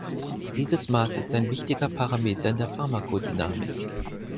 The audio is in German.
Dieses Maß ist ein wichtiger Parameter in der Pharmakodynamik.